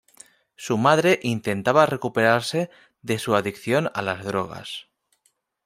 Su madre intentaba recuperarse de su adicción a las drogas.